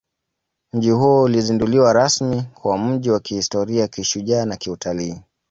Mji huo ulizinduliwa rasmi kuwa mji wa kihistoria kishujaa na kiutalii